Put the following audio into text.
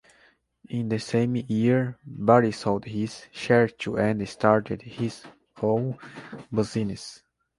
In the same year Bari sold his share to and started his own business.